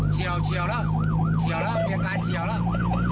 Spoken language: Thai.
เฉียวแล้วเฉียวแล้วมีอาการเฉียวแล้ว